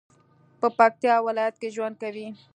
په پکتیا ولایت کې ژوند کوي